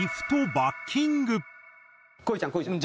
こいちゃんこいちゃん。